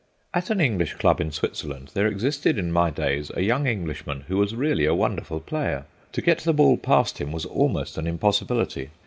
At an English club in Switzerland there existed in my days a young Englishman who was really a wonderful player. To get the ball past him was almost an impossibility.